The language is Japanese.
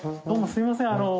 どうもすいません。